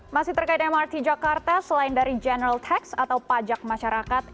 masih terkait mrt jakarta selain dari general tax atau pajak masyarakat